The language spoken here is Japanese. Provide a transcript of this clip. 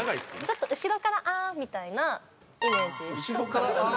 ちょっと後ろから「あん」みたいなイメージ。